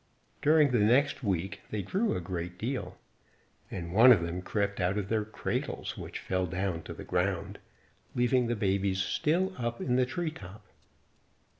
During the next week they grew a great deal, and one of them crept out of their cradles which fell down to the ground, leaving the babies still up in the tree top.